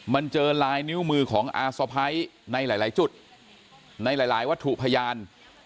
มันเจอลายนิ้วมือของอาสะพ้ายในหลายจุดในหลายวัตถุพยาน